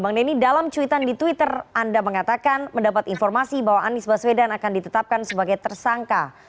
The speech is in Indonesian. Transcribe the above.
bang denny dalam cuitan di twitter anda mengatakan mendapat informasi bahwa anies baswedan akan ditetapkan sebagai tersangka